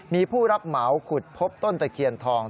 มีผู้รับเหมาขุดพบต้นตะเคียนทอง